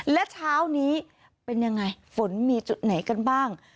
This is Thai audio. และเช้านี้เป็นยังไงฝนมีจุดไหนกันบ้าง